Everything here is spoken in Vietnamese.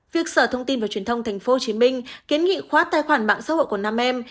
việc sở thông tin và truyền thông tp hcm kiến nghị khóa tài khoản mạng xã hội của nam em